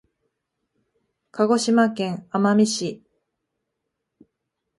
鹿児島県奄美市